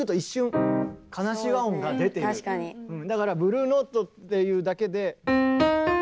だからブルーノートっていうだけで。